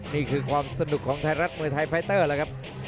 นี่คือความสนุกของไทยรัฐมวยไทยไฟเตอร์แล้วครับ